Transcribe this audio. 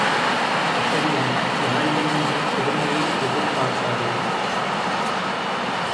அப்படியானால் யாரிடமும் நீ பெருமையை எதிர்பார்க்காதே!